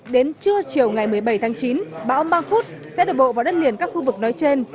đến trưa chiều ngày một mươi bảy tháng chín bão khuất sẽ đổ bộ vào đất liền các khu vực nói trên